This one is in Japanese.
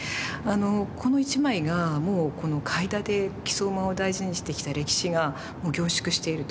この１枚がもう開田で木曽馬を大事にしてきた歴史が凝縮していると。